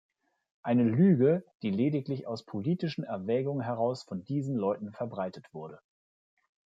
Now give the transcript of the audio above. Eine Lüge, die lediglich aus politischen Erwägungen heraus von diesen Leuten verbreitet wurde.